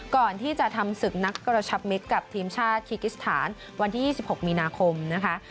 ก่อนที่จะทำศึกนักกระชับมิกกับทีมชาติคีกิสถานวันที่๒๖มีนาคมนะคะ